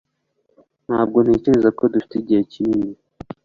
Ntabwo ntekereza ko dufite igihe kinini